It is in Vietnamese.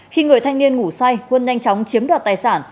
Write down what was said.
khi người thanh niên ngủ say quân nhanh chóng chiếm đoạt tài sản